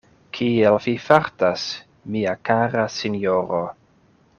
Kiel vi fartas, mia kara sinjoro?